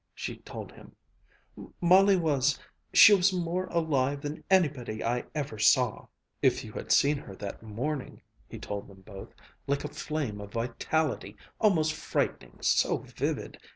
she told him; "Molly was she was more alive than anybody I ever saw!" "If you had seen her that morning," he told them both, "like a flame of vitality almost frightening so vivid.